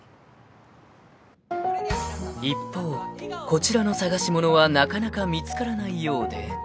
［一方こちらの捜しものはなかなか見つからないようで］